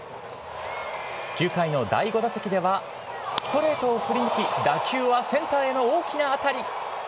９回の第５打席では、ストレートを振り抜き打球はセンターへの大きな当たり。